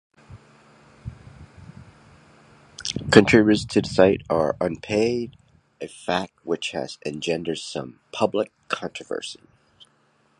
Contributors to the site are unpaid, a fact which has engendered some public controversy.